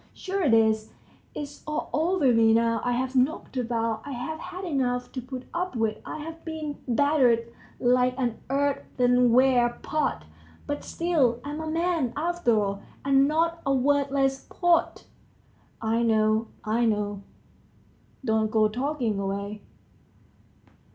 Sure it is, it's all over me now; I've knocked about, I've had enough to put up with, I've been battered like an earthenware pot, but still I'm a man, after all, and not a worthless pot." "I know, I know, don't go talking away.